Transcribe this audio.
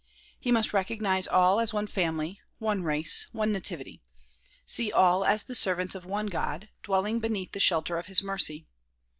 He must recognize all as one family, one race, one nativity; see all as the servants of one God, dwelling beneath the shelter of his mercy.